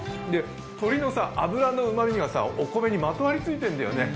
鶏のあぶらのうまみがお米にまとわりついてるんだよね。